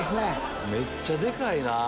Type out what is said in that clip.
めっちゃでかいな！